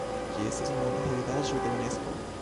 Ĝi estas monda heredaĵo de Unesko.